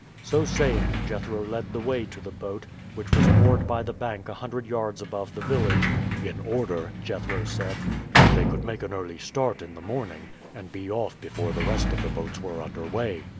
So saying, Jethro led the way to the boat, which was moored by the bank a hundred yards above the village, "in order," Jethro said, "that they could make an early start in the morning, and be off before the rest of the boats were under way."